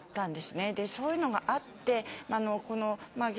そういうのがあって。